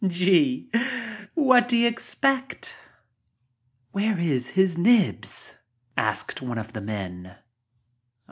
Gee, what do you expect?" "Where is his Nibs? asked one of the men.